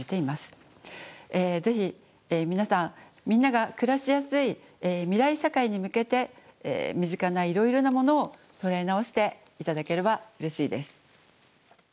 ぜひ皆さんみんなが暮らしやすい未来社会に向けて身近ないろいろなものを捉え直して頂ければうれしいです。